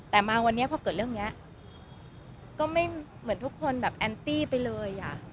แต่มาวันนี้พอเกิดเรื่องนี้ก็ไม่เหมือนทุกคนแบบแอนตี้ไปเลย